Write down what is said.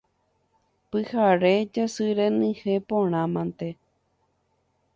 Pyhare jasy renyhẽ porã mante.